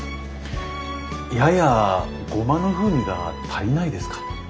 ややゴマの風味が足りないですか？